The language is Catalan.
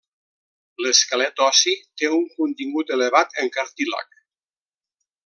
L'esquelet ossi té un contingut elevat en cartílag.